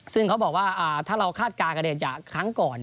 ซึ่งเขาบอกว่าถ้าเราคาดการณ์กันเองจากครั้งก่อน